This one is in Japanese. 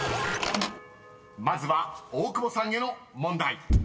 ［まずは大久保さんへの問題］